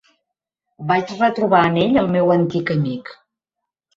Vaig retrobar en ell el meu antic amic.